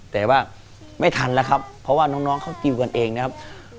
แต่ว่าไม่ทันแล้วครับเพราะว่าน้องเขาติวกันเองนะครับ